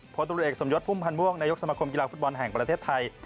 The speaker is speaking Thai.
ตรวจเอกสมยศพุ่มพันธ์ม่วงนายกสมคมกีฬาฟุตบอลแห่งประเทศไทย